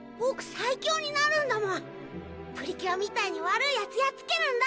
最強になるんだもんプリキュアみたいに悪いヤツやっつけるんだ！